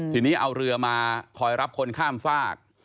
ทีนี้เอาเรือมาคอยรับคนข้ามฝาก